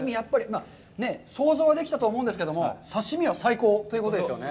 想像はできたと思うんですけども、刺身は最高ということですよね。